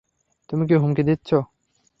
তুমি কি হুমকি দিচ্ছো?